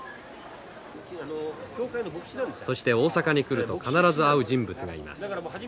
そして大阪に来ると必ず会う人物がいます。